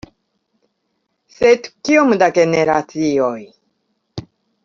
Sed kiom da generacioj?